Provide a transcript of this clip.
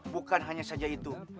bukan hanya saja itu